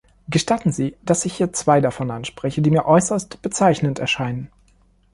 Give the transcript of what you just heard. Gestatten Sie, dass ich hier zwei davon anspreche, die mir äußerst bezeichnend erscheinen.